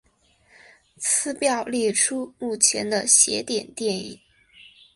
此表列出目前的邪典电影。